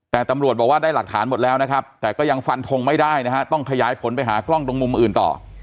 แต่ตำรวจบอกว่าได้หลักฐานหมดแล้วนะครับแต่ก็ยังฟันทงไม่ได้นะฮะต้องขยายผลไปหากล้องตรงมุมอื่นต่อ